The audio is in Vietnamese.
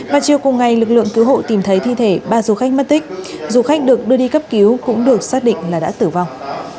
và chiều cùng ngày lực lượng cứu hộ tìm thấy thi thể ba du khách mất tích du khách được đưa đi cấp cứu cũng được xác định là đã tử vong